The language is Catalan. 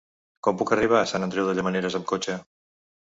Com puc arribar a Sant Andreu de Llavaneres amb cotxe?